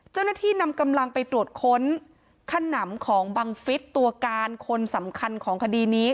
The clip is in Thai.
เจ้าหน้าที่นำกำลังไปตรวจค้นขนำของบังฟิศตัวการคนสำคัญของคดีนี้